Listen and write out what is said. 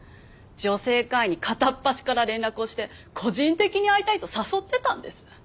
女性会員に片っ端から連絡をして個人的に会いたいと誘ってたんです。